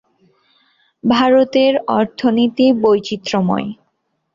ভারতের অর্থনীতি বৈচিত্র্যময়।